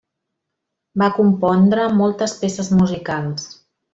Va compondre moltes peces musicals.